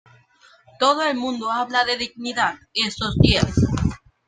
Todo el mundo habla de dignidad, estos días.